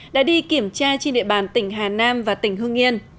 đã đi kiểm tra trên địa bàn tỉnh hà nam và tỉnh hương yên